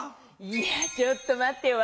いやちょっとまってよ。